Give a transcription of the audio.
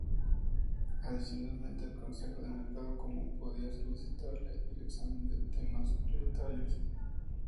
Adicionalmente el Consejo del Mercado Común podía solicitarle el examen de temas prioritarios.